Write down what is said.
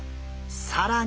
更に！